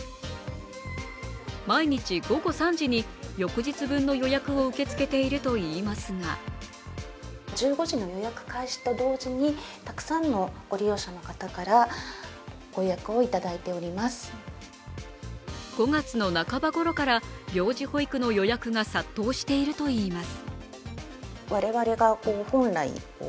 毎日午後３時に翌日分の予約を受け付けているといいますが５月の半ばごろから病児保育の予約が殺到しているといいます。